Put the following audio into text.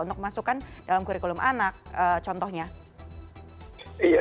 untuk masukkan dalam kurikulum anak contohnya